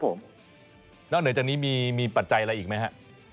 นอกเหนือจากนี้มีปัจจัยอะไรอีกไหมฮะ